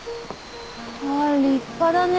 ああ立派だね。